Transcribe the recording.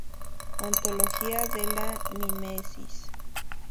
Ontología de la mimesis.